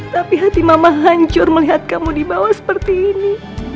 tapi hati mama hancur melihat kamu dibawa seperti ini